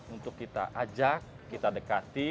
untuk kita ajak kita dekati